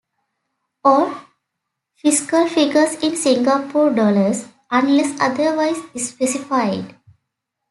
All fiscal figures in Singapore dollars unless otherwise specified.